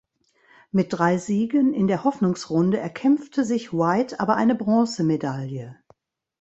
Mit drei Siegen in der Hoffnungsrunde erkämpfte sich White aber eine Bronzemedaille.